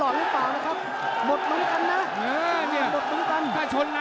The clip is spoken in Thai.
ตอนนี้มันถึง๓